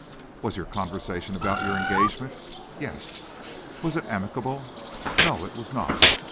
"Was your conversation about your engagement?" "Yes." "Was it amicable?" "No, it was not!